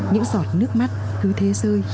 những giọt nước mắt cứ thế